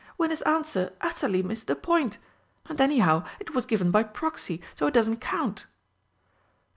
"When his answer utterly missed the point? And, anyhow, it was given by proxy, so it doesn't count!"